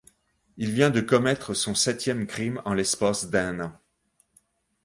Il vient de commettre son septième crime en l'espace d'un an.